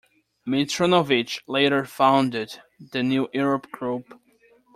Mitrinović later founded "the New Europe Group".